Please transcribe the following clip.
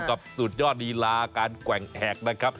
สุดยอดลีลาการแกว่งแอกนะครับ